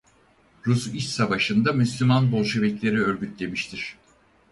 Rus İç Savaşı'nda müslüman Bolşevikler'i örgütlemiştir.